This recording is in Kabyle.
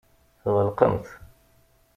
Tɣelqemt.